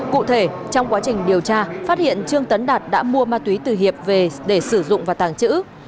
cụ thể trong quá trình điều tra phát hiện trương tấn đạt đã mua ma túy từ hiệp về để sử dụng và tàng trữ